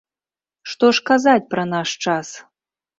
Што ж казаць пра наш час?